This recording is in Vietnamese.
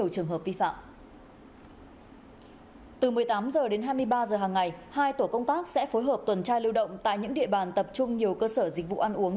từ một mươi tám h đến hai mươi ba h hàng ngày hai tổ công tác sẽ phối hợp tuần tra lưu động tại những địa bàn tập trung nhiều cơ sở dịch vụ ăn uống